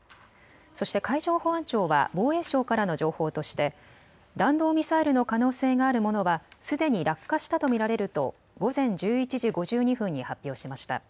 そして海上保安庁は防衛省からの情報として弾道ミサイルの可能性があるものはすでに落下したと見られると午前１１時５２分に発表しました。